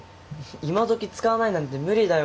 今どき使わないなんて無理だよ。